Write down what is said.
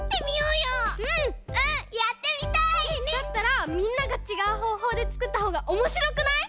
だったらみんながちがうほうほうでつくったほうがおもしろくない？